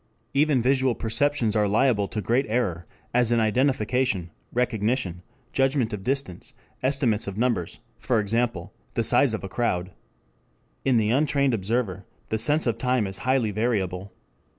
Even visual perceptions are liable to great error, as in identification, recognition, judgment of distance, estimates of numbers, for example, the size of a crowd. In the untrained observer, the sense of time is highly variable.